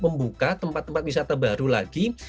membuka tempat tempat wisata baru lagi